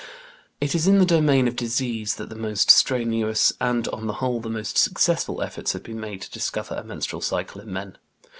It is in the domain of disease that the most strenuous and, on the whole, the most successful efforts have been made to discover a menstrual cycle in men.